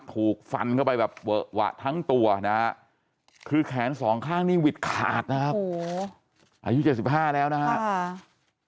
ถูกฟันเข้าไปแบบเวอะหวะทั้งตัวนะฮะคือแขนสองข้างนี่หวิดขาดนะครับอายุ๗๕แล้วนะครับ